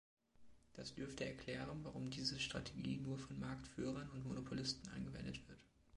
Das dürfte erklären, warum diese Strategie nur von Marktführern und Monopolisten angewendet wird.